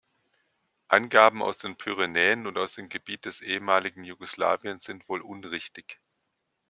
Angaben aus den Pyrenäen und aus dem Gebiet des ehemaligen Jugoslawien sind wohl unrichtig.